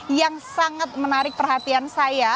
yang sangat menarik perhatian saya